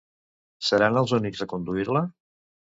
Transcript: Seran els únics a conduir-la?